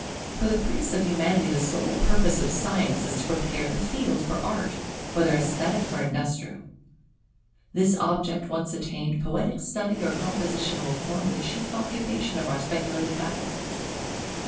For the priests of Humanity the sole purpose of Science is to prepare the field for Art, whether esthetic or industrial. This object once attained, poetic study or composition will form the chief occupation of our speculative faculties.